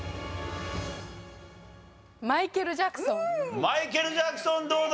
マイケル・ジャクソンどうだ？